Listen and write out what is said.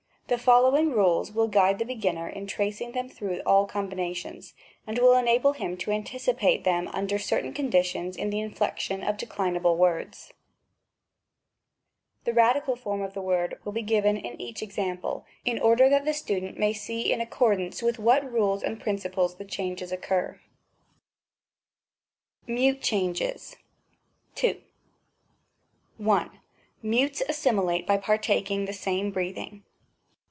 The following rules will guide the beginner in tracing them through all combinations, and will enable him to anticipate them under certain conditions in the inflection of de clinable words. The radical form of the word will be In diphthongs the second vowel bears the breathing sign. §6. CHANGES OF COKSONAJSTTS. 19 given in each example, in order that the student may see in accordance with what rules and principles the changes occur. MUTE CHANGES. 2. I. Mutes assimilate by partaking the same breathing.